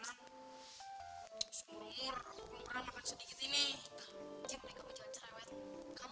enggak kamu pasti tahu kan